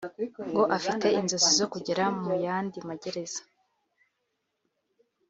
ngo afite inzozi zo kugera mu yandi magereza